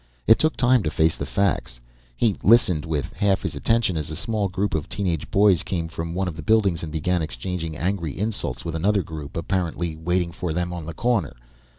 It took time to face the facts. He listened with half his attention as a small group of teen age boys came from one of the buildings and began exchanging angry insults with another group apparently waiting for them on the corner.